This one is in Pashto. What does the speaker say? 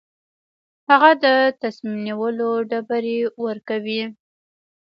هغه د تصمیم نیولو ډبرې ورکوي.